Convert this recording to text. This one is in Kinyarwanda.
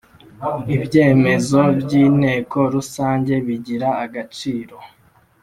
Ibyemezo by inteko rusange bigira agaciro